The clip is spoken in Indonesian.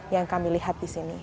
yang kami lihat di sini